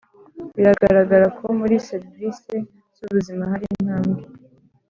Biragaragara ko muri serivisi z’ ubuzima hari intambwe.